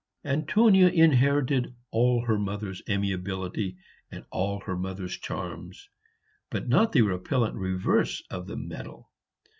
Antonia inherited all her mother's amiability and all her mother's charms, but not the repellent reverse of the medal.